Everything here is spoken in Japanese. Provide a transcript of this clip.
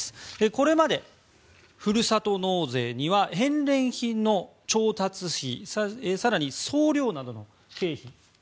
これまでふるさと納税には返礼品の調達費更に、送料などの経費